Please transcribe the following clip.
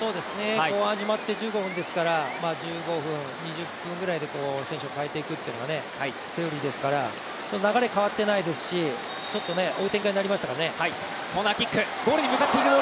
後半始まって１５分ですから１５分、２０分ぐらいで選手を替えていくのはセオリーですから流れが変わっていないですし、追う展開になりましたからね。